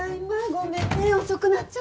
ごめんね遅くなっちゃって。